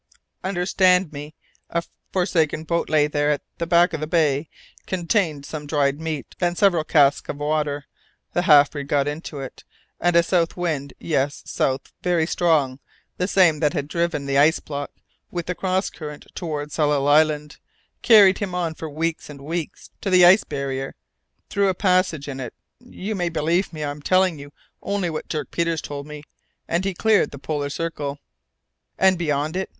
"Understand me. A forsaken boat lay there, at the back of the bay, containing some dried meat and several casks of water. The half breed got into it, and a south wind yes, south, very strong, the same that had driven the ice block, with the cross current, towards Tsalal Island carried him on for weeks and weeks to the iceberg barrier, through a passage in it you may believe me, I am telling you only what Dirk Peters told me and he cleared the polar circle." "And beyond it?"